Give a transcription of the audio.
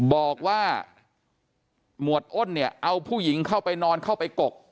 บอกว่าหมวดอ้นเนี่ยเอาผู้หญิงเข้าไปนอนเข้าไปกก